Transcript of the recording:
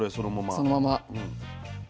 そのまま。